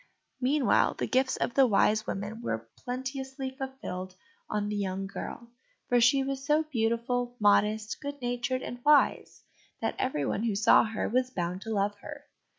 Meanwhile the gifts of the Wise Women were plenteously fulfilled on the young girl, for she was so beautiful, modest, good natured, and wise, that everyone who saw her was bound to love her.